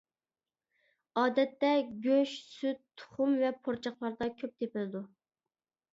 ئادەتتە گۆش، سۈت، تۇخۇم ۋە پۇرچاقلاردا كۆپ تېپىلىدۇ.